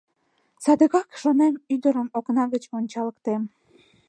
«Садыгак, — шонем, — ӱдырым окна гыч ончалыктем.